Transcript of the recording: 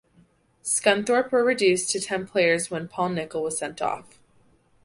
Scunthorpe were reduced to ten players when Paul Nicol was sent off.